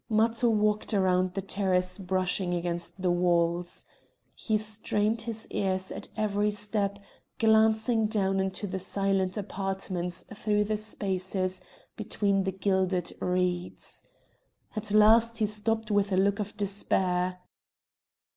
Matho walked round the terrace brushing against the walls. He strained his ears at every step, glancing down into the silent apartments through the spaces between the gilded reeds. At last he stopped with a look of despair.